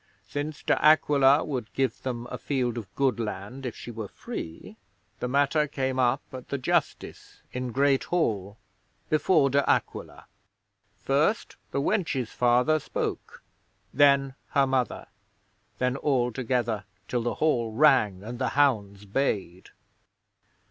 Since De Aquila would give them a field of good land, if she were free, the matter came up at the justice in Great Hall before De Aquila. First the wench's father spoke; then her mother; then all together, till the hall rang and the hounds bayed.